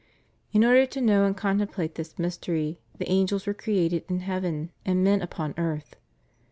In order to know and contemplate this mystery, the angels were created in heaven and men upon earth.